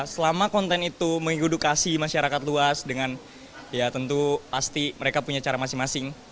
selama konten itu mengedukasi masyarakat luas dengan ya tentu pasti mereka punya cara masing masing